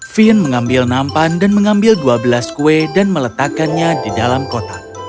fin mengambil nampan dan mengambil dua belas kue dan meletakkannya di dalam kotak